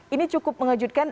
ini cukup mengejutkan